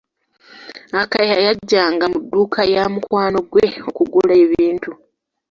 Akaya yajjanga mu dduuka ya mukwano gwe okugula ebintu.